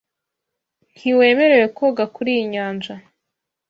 Ntiwemerewe koga kuriyi nyanja.